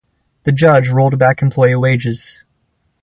The judge rolled back employee wages.